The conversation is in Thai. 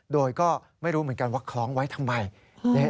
โดยก็ไม่รู้เหมือนกันว่าคล้องไว้ทำไม